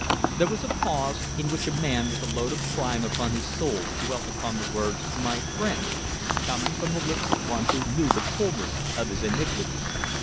There was a pause, in which a man with a load of crime upon his soul dwelt upon the words my friend, coming from the lips of one who knew the fulness of his iniquity.